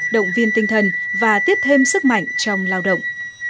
động viên tinh thần và tiếp thêm sức mạnh trong lao động